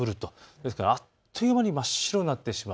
ですからあっという間に真っ白になってしまう。